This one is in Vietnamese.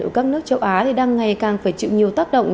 ở các nước châu á đang ngày càng phải chịu nhiều tác động